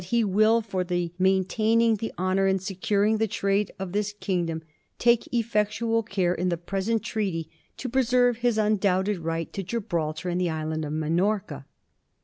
389 he will, for the maintaming the honour and securing the trade of this kingdom, take effectual care in the present treaty to preserve his undoubted right to Gibraltar and the island of Minorca.'